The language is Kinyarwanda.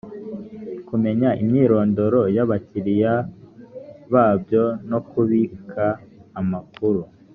kumenya imyirondoro y’ abakiriya babyo no kubika amakuru.